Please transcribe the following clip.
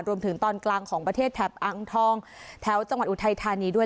รวมถึงตอนกลางของประเทศแถบอังทองแถวจังหวัดอุทัยธานีด้วย